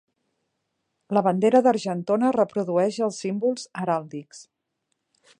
La bandera d'Argentona reprodueix els símbols heràldics.